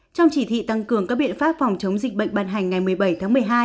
trong chỉ thị tăng cường các biện pháp phòng chống dịch bệnh ban hành ngày một mươi bảy tháng một mươi hai